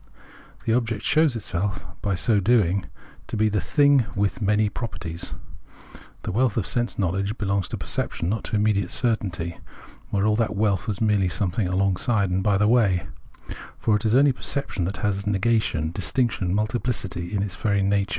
The object shows itself by so doing to be the thing with many properties. The wealth of sense knowledge belongs to perception, not to immediate certainty, where all that wealth was merely some thing alongside and by the way ; for it is only per ception that has negation, distinction, multiphcity in its very nature.